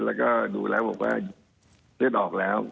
แล้วก็ดูแล้วบอกว่าเลือดออกแล้ว